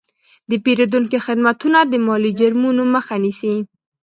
د پیرودونکو خدمتونه د مالي جرمونو مخه نیسي.